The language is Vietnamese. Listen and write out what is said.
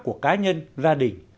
của cá nhân gia đình